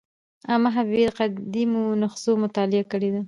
علامه حبیبي د قدیمو نسخو مطالعه کړې ده.